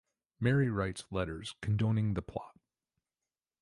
Mary writes letters condoning the plot.